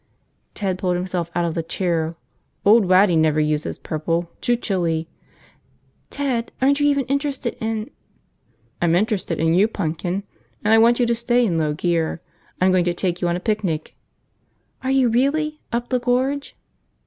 Ted pulled himself out of the chair. "Old Waddy never uses purple – too chilly." "Ted, aren't you even interested in ..." "I'm interested in you, punkin. And I want you to stay in low gear. I'm going to take you on a picnic." "Are you really? Up the Gorge?"